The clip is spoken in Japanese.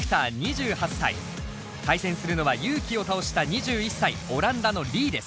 対戦するのはＹＵ−ＫＩを倒した２１歳オランダのＬｅｅです。